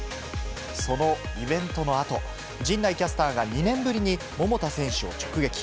そのイベントのあと、陣内キャスターが、２年ぶりに桃田選手を直撃。